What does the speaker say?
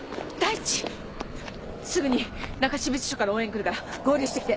すぐに中標津署から応援来るから合流してきて。